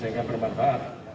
ini yang berbantuan